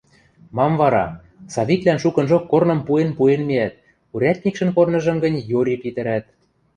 Мам вара: Савиклӓн шукынжок корным пуэн-пуэн миӓт, урядникшӹн корныжым гӹнь йори питӹрӓт.